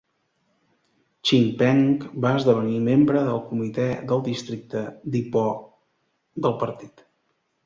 Chin Peng va esdevenir membre del comitè del districte d'Ipoh del partit.